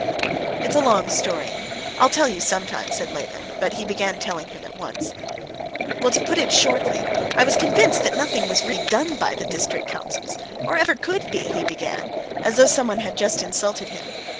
"It's a long story. I will tell you some time," said Levin, but he began telling him at once. "Well, to put it shortly, I was convinced that nothing was really done by the district councils, or ever could be," he began, as though someone had just insulted him.